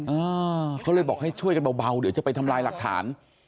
อ่าเขาเลยบอกให้ช่วยกันเบาเดี๋ยวจะไปทำลายหลักฐาน